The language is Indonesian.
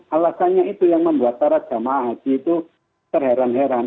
alasannya itu yang membuat para jamaah haji itu terheran heran